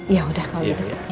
yaudah kalau gitu